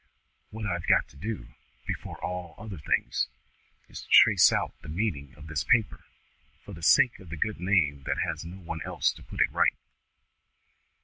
What I have got to do, before all other things, is to trace out the meaning of this paper, for the sake of the Good Name that has no one else to put it right.